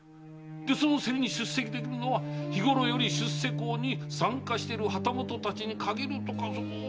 その競りに出席できるのは日ごろより出世講に参加してる旗本たちに限るとか。